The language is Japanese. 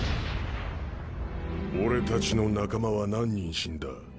俺たちの仲間は何人死んだ？